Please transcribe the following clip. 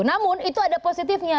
namun itu ada positifnya